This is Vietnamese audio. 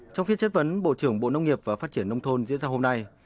trong phiên chất vấn bộ trưởng bộ nông nghiệp và phát triển nông thôn diễn ra hôm nay